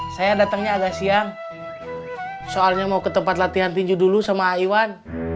saya datangnya agak siang soalnya mau ke tempat latihan tinju dulu sama iwan